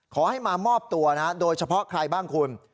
ขอให้มามอบตัวนะโดยเฉพาะใครบ้างคุณ